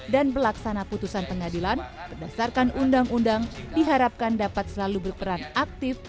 dan pelaksana putusan pengadilan berdasarkan undang undang diharapkan dapat selalu berperan aktif